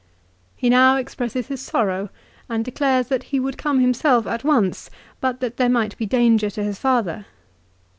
He now expresses his sorrow, and declares that he would come him self at once, but that there might be danger to his father.